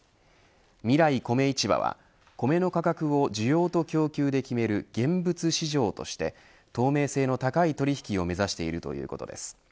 みらい米市場はコメの価格を需要と供給で決める現物市場として透明性の高い取引を目指しているということです。